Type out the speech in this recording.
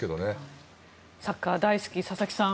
サッカー大好き佐々木さん